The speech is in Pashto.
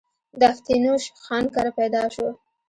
د افتينوش خان کره پيدا شو